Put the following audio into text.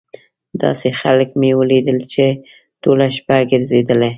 داسې خلک مې ولیدل چې ټوله شپه ګرځېدل.